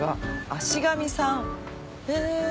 「足神さん」へぇ。